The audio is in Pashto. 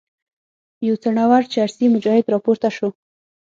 یو څڼور چرسي مجاهد راپورته شو.